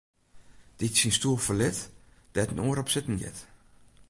Dy't syn stoel ferlit, dêr't in oar op sitten giet.